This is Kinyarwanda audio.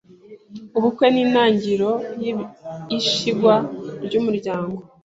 Ubukwe ni intangiriro y’ishingwa ry’umuryango,